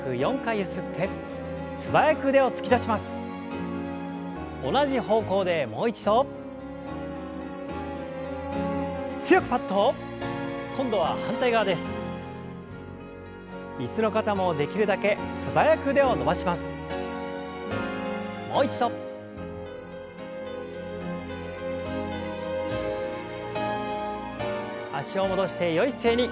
脚を戻してよい姿勢に。